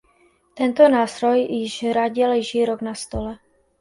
Tento nástroj již Radě leží rok na stole.